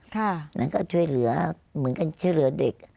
แล้วก็ช่วยเหลือเหมือนกันช่วยเหลือเด็ก